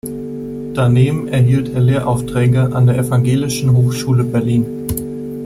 Daneben erhielt er Lehraufträge an der Evangelischen Hochschule Berlin.